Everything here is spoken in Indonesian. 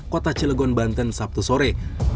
kota cilegon banten sabtu sore